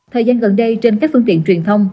thời gian gần đây trên các phương tiện truyền thông